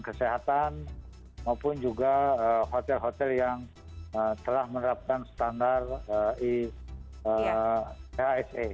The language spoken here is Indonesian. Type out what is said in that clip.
kesehatan maupun juga hotel hotel yang telah menerapkan standar ihsa